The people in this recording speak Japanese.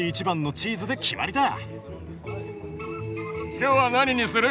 今日は何にする？